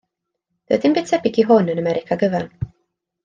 Doedd dim byd tebyg i hwn yn America gyfan.